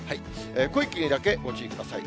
濃い霧だけご注意ください。